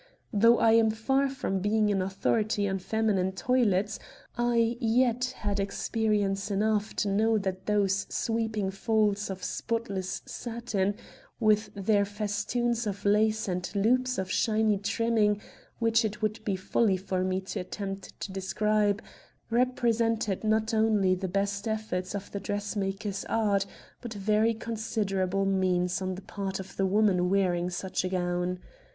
Though I am far from being an authority on feminine toilets, I yet had experience enough to know that those sweeping folds of spotless satin, with their festoons of lace and loops of shiny trimming, which it would be folly for me to attempt to describe, represented not only the best efforts of the dressmaker's art, but very considerable means on the part of the woman wearing such a gown.